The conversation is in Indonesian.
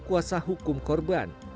kuasa hukum korban